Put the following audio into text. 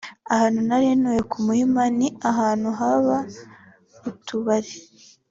… Ahantu nari ntuye ku Muhima ni ahantu haba utubari